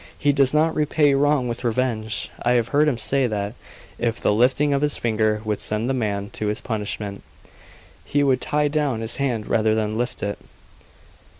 He does not repay wrong with revenge. I have heard him say that if the lifting of his finger would send the man to his punishment, he would tie down his hand rather than lift it."